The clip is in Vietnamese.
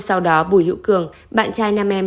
sau đó bùi hữu cường bạn trai nam em